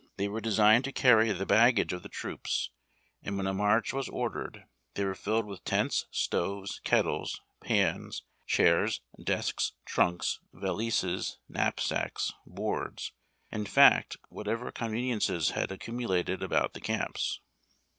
They were designed to carry the baggage of the troops, and when a march was ordered they Avere filled with tents, stoves, kettles, pans, chairs, desks, trunks, valises, knapsacks, boards, — in fact, whatever con veniences had accumulated about the camps.